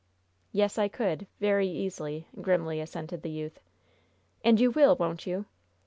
"Yes, I could, very easily," grimly assented the youth. "And you will, won't you?"